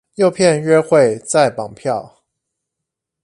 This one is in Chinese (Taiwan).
誘騙約會再綁票